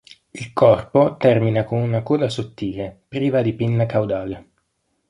Il corpo termina con una coda sottile, priva di pinna caudale.